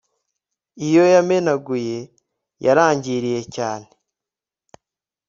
Iyo yamenaguye yarangiriye cyane